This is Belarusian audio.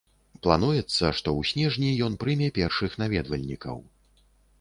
Плануецца, што ў снежні ён прыме першых наведвальнікаў.